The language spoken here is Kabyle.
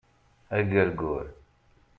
Agergur